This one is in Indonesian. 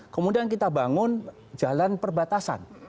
kemudian kita bangun jalan perbatasan